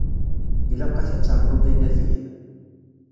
Ilaq-ak ad ternuḍ inadiyen.